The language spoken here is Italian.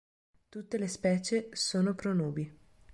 Tutte le specie sono pronubi.